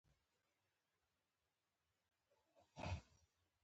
د ټيم ترمنځ یووالی بریا ته لاره هواروي.